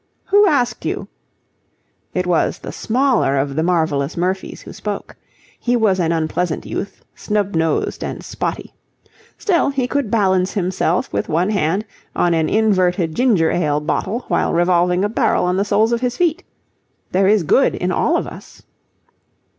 "Who asked you?" It was the smaller of the Marvellous Murphys who spoke. He was an unpleasant youth, snub nosed and spotty. Still, he could balance himself with one hand on an inverted ginger ale bottle while revolving a barrel on the soles of his feet. There is good in all of us.